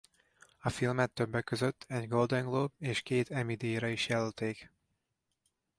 A filmet többek között egy Golden Globe- és két Emmy-díjra is jelölték.